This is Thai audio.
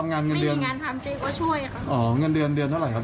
อ๋อทำงานเงินเดือนไม่มีงานทำเจ๊ก็ช่วยครับอ๋อเงินเดือนเดือนเท่าไหร่ครับ